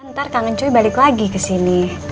ntar kangen cuy balik lagi kesini